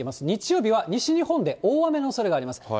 日曜日は、西日本で大雨のおそれがあります。